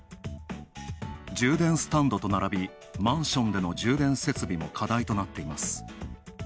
充電スタンドと並び、マンションでの充電設備も課題となっています。